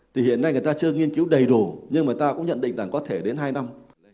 thì hiện nay người ta chưa nghiên cứu đầy đủ nhưng mà ta cũng nhận định rằng có thể đến hai năm